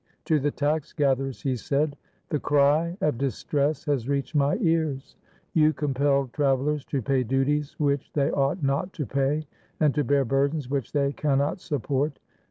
To the tax gatherers he said, "The cry of distress has reached my ears; you compel travelers to pay duties which they ought not to pay, and to bear burdens which they cannot support.